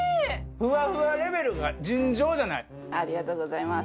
ふわふわレベルが尋常じゃないありがとうございます